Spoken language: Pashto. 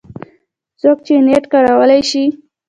څوک چې نېټ کارولی شي